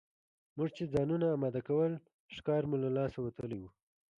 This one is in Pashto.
موږ چې ځانونه اماده کول ښکار مو له لاسه وتلی وو.